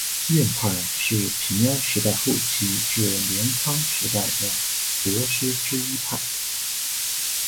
院派是平安时代后期至镰仓时代的佛师之一派。